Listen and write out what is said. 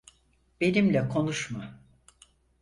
Benimle konuşma.